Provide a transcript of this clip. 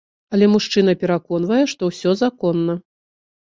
Але мужчына пераконвае, што усё законна.